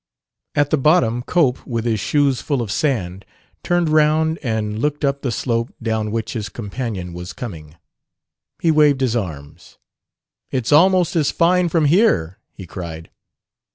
At the bottom Cope, with his shoes full of sand, turned round and looked up the slope down which his companion was coming. He waved his arms. "It's almost as fine from here!" he cried.